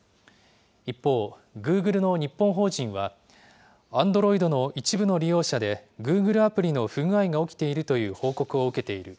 一方、グーグルの日本法人は、アンドロイドの一部の利用者で、グーグルアプリの不具合が起きているという報告を受けている。